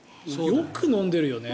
よく飲んでるよね。